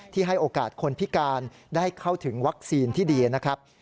ให้โอกาสคนพิการได้เข้าถึงวัคซีนที่ดีนะครับ